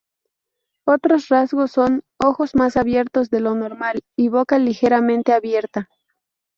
Otros rasgos son: ojos más abiertos de lo normal y boca ligeramente abierta.